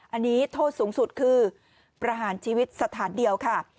อันนี้โทษสูงสุดคือประหารชีวิตสถานเดียวค่ะ